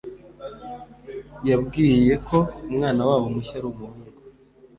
yambwiye ko umwana wabo mushya ari umuhungu.